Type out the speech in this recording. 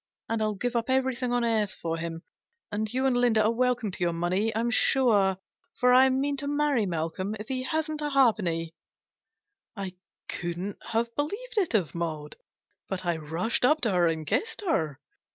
And I'll give up everything on earth for him ; and you and Linda are welcome to your money, I'm sure ; for I mean to marry Malcolm if he hasn't a ha'penny !" I couldn't have believed it of Maud. But I rushed up to her and kissed her.